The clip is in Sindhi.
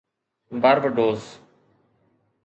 باربڊوس